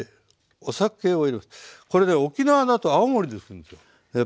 これね沖縄だと泡盛でするんですよ。